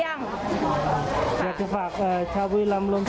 อยากให้มาดูบรรยากาศ